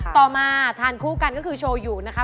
ต่อมาทานคู่กันก็คือโชว์อยู่นะคะ